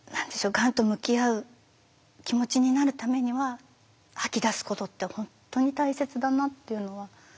がんと向き合う気持ちになるためには吐き出すことって本当に大切だなっていうのは思いましたね。